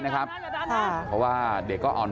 เพื่อนบ้านเจ้าหน้าที่อำรวจกู้ภัย